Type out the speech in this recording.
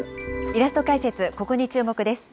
イラスト解説、ここに注目！です。